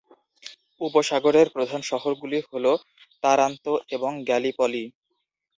উপসাগরের প্রধান শহরগুলি হল তারান্তো এবং গ্যালিপলি।